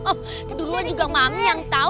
oh duluan juga mami yang tau